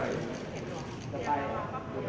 มันเป็นสิ่งที่เราไม่รู้สึกว่า